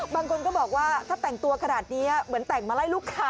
บางคนก็บอกว่าถ้าแต่งตัวขนาดนี้เหมือนแต่งมาไล่ลูกค้า